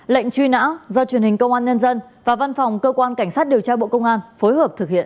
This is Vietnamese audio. lệnh truy nã do truyền hình công an nhân dân và văn phòng cơ quan cảnh sát điều tra bộ công an phối hợp thực hiện